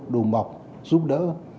đùm bọc giúp đỡ